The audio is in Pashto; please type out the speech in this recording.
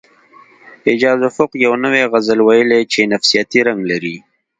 اعجاز افق یو نوی غزل ویلی چې نفسیاتي رنګ لري